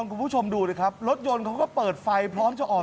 คุณผู้ชมดูสิครับรถยนต์เขาก็เปิดไฟพร้อมจะออก